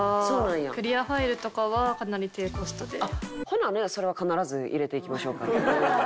ほなねそれは必ず入れていきましょうか。